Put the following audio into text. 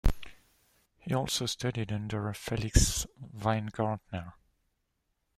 He also studied under Felix Weingartner.